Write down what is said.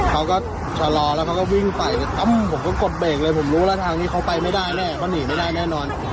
เขาก็ชะลอแล้วเขาก็วิ่งไปเลยตั้มผมก็กดเบรกเลยผมรู้แล้วทางนี้เขาไปไม่ได้แน่เขาหนีไม่ได้แน่นอน